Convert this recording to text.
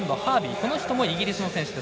この人もイギリスの選手です。